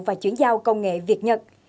và chuyển giao công nghệ việt nhật